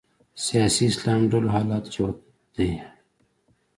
سیاسي اسلام ډلو حال جوت دی